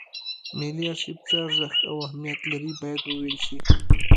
ملي ارشیف څه ارزښت او اهمیت لري باید وویل شي.